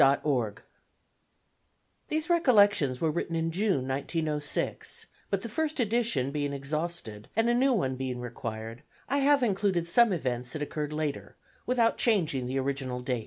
Stetson These recollections were written in June, 1906, but the first edition being exhausted and a new one being required, I have included some events that occurred later, without changing the original date.